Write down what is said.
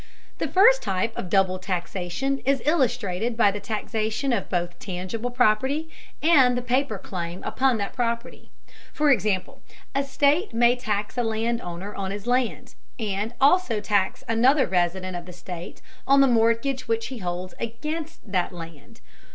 The first type of double taxation is illustrated by the taxation of both tangible property and the paper claim upon that property. For example, a state may tax a land owner on his land, and also tax another resident of the state on the mortgage which he holds against that land.